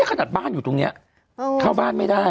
ขนาดบ้านอยู่ตรงนี้เข้าบ้านไม่ได้